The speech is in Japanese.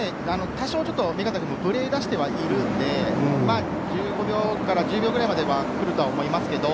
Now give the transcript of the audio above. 多少ぶれだしてはいるので１５秒から１０秒くらいで来ると思いますけど。